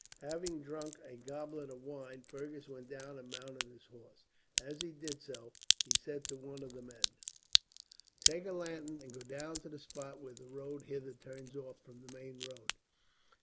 Having drunk a goblet of wine, Fergus went down and mounted his horse. As he did so, he said to one of the men: "Take a lantern, and go down to the spot where the road hither turns off from the main road.